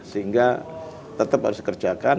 sehingga tetap harus dikerjakan